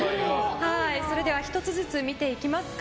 それでは１つずつ見ていきますか。